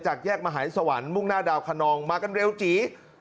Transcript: จากแยกมหาศวรรษมุ่งหน้าดาวขนองมากันเร็วจี๋